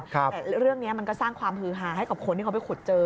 แต่เรื่องนี้มันก็สร้างความฮือฮาให้กับคนที่เขาไปขุดเจอ